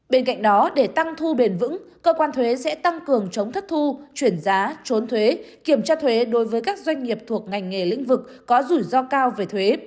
bên cạnh đó để tăng thu bền vững cơ quan thuế sẽ tăng cường chống thất thu chuyển giá trốn thuế kiểm tra thuế đối với các doanh nghiệp thuộc ngành nghề lĩnh vực có rủi ro cao về thuế